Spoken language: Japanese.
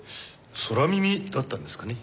空耳だったんですかね？